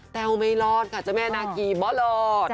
แต้วไม่รอดค่ะเจ้าแม่นากีบลด